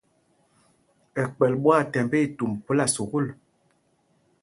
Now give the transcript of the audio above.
Ɛkpɛl ɓwaathɛmb itumb phúla sukûl.